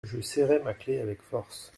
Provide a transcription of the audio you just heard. Je serrai ma clef avec force.